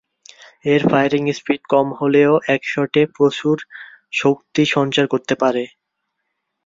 এর firing speed কম হলেও এক শটে প্রচুর শক্তি সঞ্চার করতে পারে।